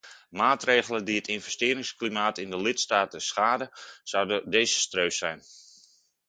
Maatregelen die het investeringsklimaat in de lidstaten schaden, zouden desastreus zijn.